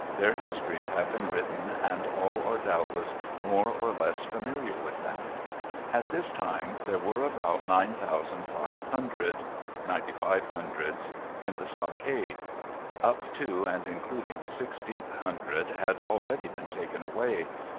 Their histories have been written and all are doubtless more or less familiar with them. At this time there were about 9500 (ninety five hundreds) in the stockade. Up to and including the sixteenth hundred had already been taken away.